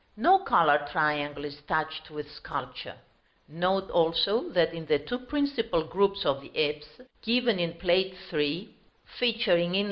No colored triangle is touched with sculpture; note also, that in the two principal groups of the apse, given in Plate III.